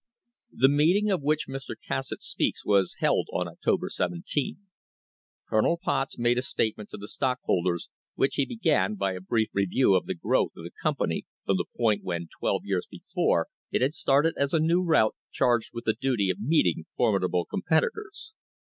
This meeting of which Mr. Cassatt speaks was held on October 17. Colonel Potts made a statement to the stock holders, which he began by a brief review of the growth of the company from the point when twelve years before it had started as a new route charged with the duty of meeting formidable competitors.